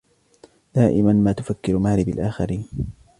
دائمًا ما تفكّر ماري بالآخرين.